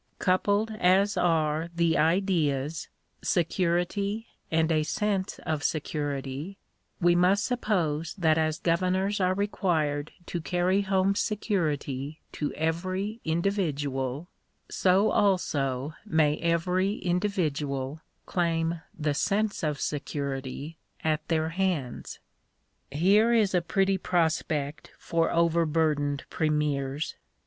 Coupled as are the ideas " security and a sense of, security," we must suppose that as governors are required to carry home "security" to every indi vidual, so also may every individual claim the " sense of security " at their hands. Here is a pretty prospect for overburdened premiers